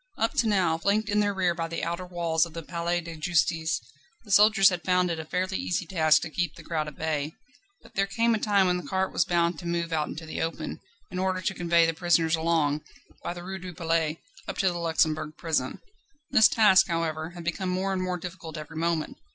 Up to now, flanked in their rear by the outer walls of the Palais de Justice, the soldiers had found it a fairly easy task to keep the crowd at bay. But there came a time when the cart was bound to move out into the open, in order to convey the prisoners along, by the Rue du Palais, up to the Luxembourg Prison. This task, however, had become more and more difficult every moment.